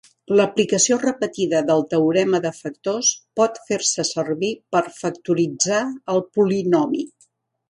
L'aplicació repetida del teorema de factors pot fer-se servir per factoritzar el polinomi.